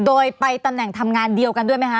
โดยไปตำแหน่งทำงานเดียวกันด้วยไหมคะ